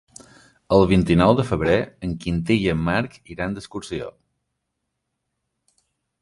El vint-i-nou de febrer en Quintí i en Marc iran d'excursió.